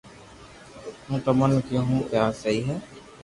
ھون تموني ڪيو ھون ڪا آ سھي ھي